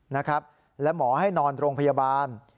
นะครับและหมอให้นอนโรงพยาบาล